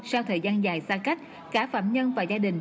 sau thời gian dài xa cách cả phạm nhân và gia đình